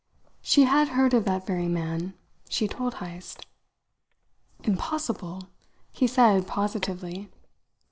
She had heard of that very man, she told Heyst. "Impossible!" he said positively.